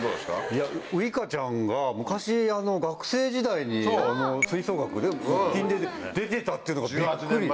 いやウイカちゃんが昔学生時代に吹奏楽で木琴で出てたっていうのがビックリ！